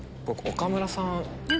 岡村さん。